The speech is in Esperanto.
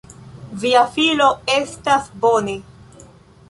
Via filo estas bone.